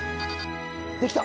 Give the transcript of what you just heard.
できた！